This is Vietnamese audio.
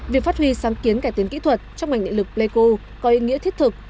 việc phát huy sáng kiến cải tiến kỹ thuật trong mảnh nghệ lực lê cư có ý nghĩa thiết thực